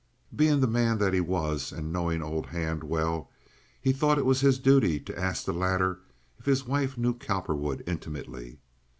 Being the man that he was and knowing old Hand well, he thought it was his duty to ask the latter if his wife knew Cowperwood intimately.